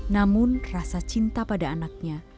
namun rasa cinta pada anaknya